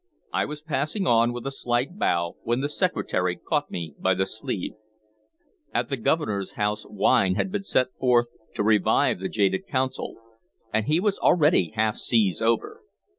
I was passing on with a slight bow, when the Secretary caught me by the sleeve. At the Governor's house wine had been set forth to revive the jaded Council, and he was already half seas over.